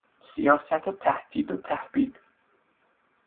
سیاست تهدید و تحبیب